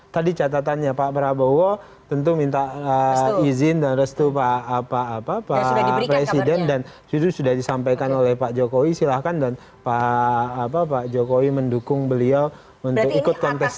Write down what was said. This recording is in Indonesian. tadi catatannya pak prabowo tentu minta izin dan restu pak presiden dan sudah disampaikan oleh pak jokowi silahkan dan pak jokowi mendukung beliau untuk ikut kontestasi